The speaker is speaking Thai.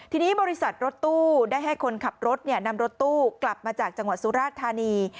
ทีนี้บริษัทรถตู้ได้ให้คนขับรถนำรถตู้กลับมาจากจังหวัดสุราชธานี